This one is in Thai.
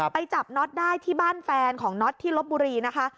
ไปจับน็อตได้ที่บ้านแฟนของน็อตที่ลบบุรีนะคะ